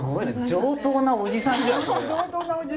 上等なおじさんじゃんそれ。